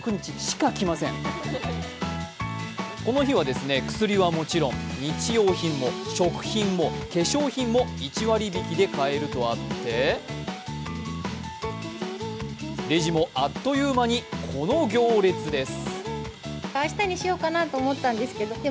この日はですね、薬はもちろん日用品も食品も化粧品も１割引で買えるとあって、レジもあっという間にこの行列です。